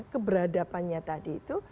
keberadabannya tadi itu